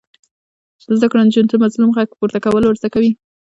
زده کړه نجونو ته د مظلوم غږ پورته کول ور زده کوي.